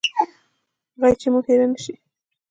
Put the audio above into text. غیچي مو هیره نه شي